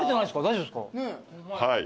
大丈夫ですか？